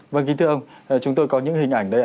vâng kính thưa ông chúng tôi có những hình ảnh đây